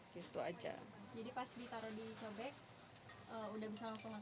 jadi pas ditaruh di cobek udah bisa langsung dimakan